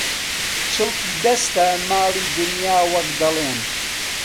«چڵکی دەستە ماڵی دنیا» وەک دەڵێن